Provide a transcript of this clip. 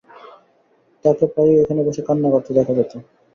তাকে প্রায়ই এখানে বসে কান্না করতে দেখা যেত।